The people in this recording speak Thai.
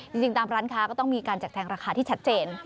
จริงตามร้านค้าก็ต้องมีการแจกแทงราคาที่ชัดเจน